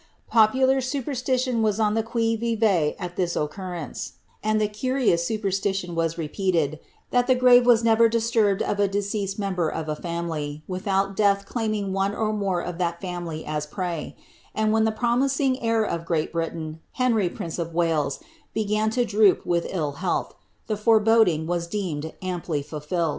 Popular superstition was on the qui vive at this occurrence, and the curious superstition was repeated, that the grave was never disturbed of a de ceased member of a family without death claiming one or more of that family as a prey ; and when the promising, heir of Great Britain, Henry, prince of Wales, began to droop with Ui health, the foreboding was deemed amply fiilfilM.